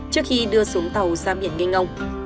trước khi đưa xuống tàu ra biển nghinh ông